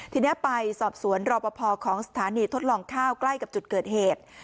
ทีนี้ไปสอบสวนรอปภของสถานีทดลองข้าวใกล้กับจุดเกิดเหตุ